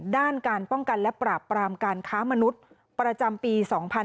ด้านการป้องกันและปราบปรามการค้ามนุษย์ประจำปี๒๕๕๙